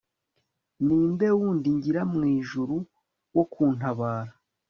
ni nde wundi ngira mu ijuru wo kuntabara